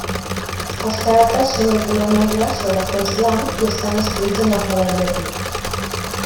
Els caràcters són de color negre sobre fons blanc i estan escrits en alfabet llatí.